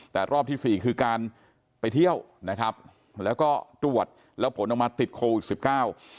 แต่รอบที่สี่คือการไปเที่ยวนะครับแล้วก็ตรวจแล้วผลออกมาติดโควิดสิบเก้า